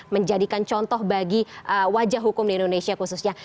menjadikan contoh bagi wajah hukum di indonesia khususnya